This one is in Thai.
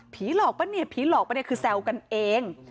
หลอกปะเนี่ยผีหลอกปะเนี่ยคือแซวกันเอง